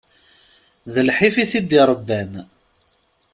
D lḥif i t-id-irebban.